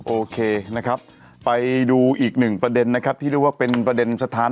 โอเคนะครับไปดูอีกหนึ่งประเด็นนะครับที่เรียกว่าเป็นประเด็นสถาน